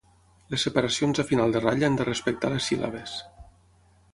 Les separacions a final de ratlla han de respectar les síl·labes.